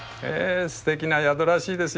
すてきな宿らしいですよ。